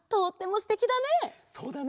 そうだね。